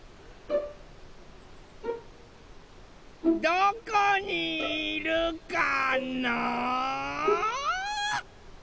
・どこにいるかな？